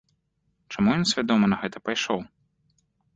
Чаму ён свядома на гэта пайшоў?